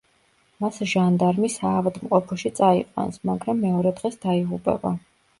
მას ჟანდარმი სავადმყოფოში წაიყვანს, მაგრამ მეორე დღეს დაიღუპება.